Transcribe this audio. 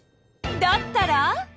だったら？